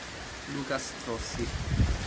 Lucas Rossi